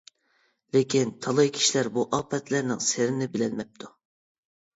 لېكىن تالاي كىشىلەر بۇ ئاپەتلەرنىڭ سىرىنى بىلەلمەپتۇ.